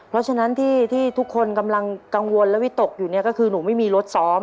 เพราะฉะนั้นที่ทุกคนกำลังกังวลและวิตกอยู่เนี่ยก็คือหนูไม่มีรถซ้อม